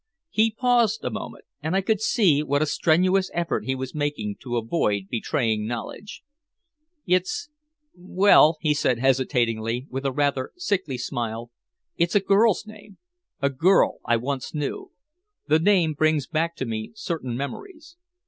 He paused a moment, and I could see what a strenuous effort he was making to avoid betraying knowledge. "It's well " he said hesitatingly, with a rather sickly smile. "It's a girl's name a girl I once knew. The name brings back to me certain memories."